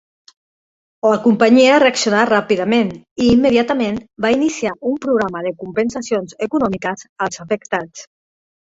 La companyia reaccionà ràpidament i immediatament va iniciar un programa de compensacions econòmiques als afectats.